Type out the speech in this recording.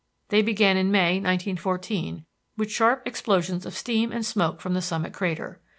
They began in May, 1914, with sharp explosions of steam and smoke from the summit crater.